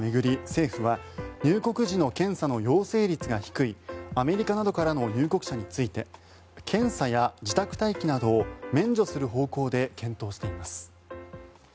政府は入国時の検査の陽性率が低いアメリカなどからの入国者について検査や自宅待機などを免除する方向で検討しています。